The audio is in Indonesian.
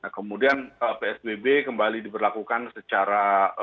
kemudian psbb kembali diberlakukan secara